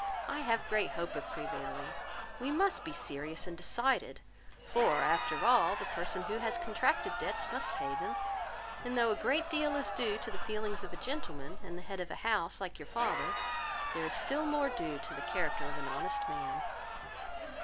I have great hope of prevailing. We must be serious and decided; for after all, the person who has contracted debts must pay them; and though a great deal is due to the feelings of the gentleman, and the head of a house, like your father, there is still more due to the character of an honest man."